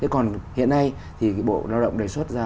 còn hiện nay thì bộ lao động đề xuất ra